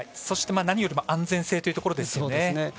そして、何よりも安全性というところですよね。